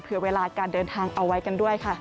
เวลาการเดินทางเอาไว้กันด้วยค่ะ